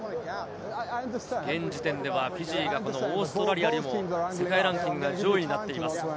現時点ではフィジーがオーストラリアにも世界ランキングが上位になっています。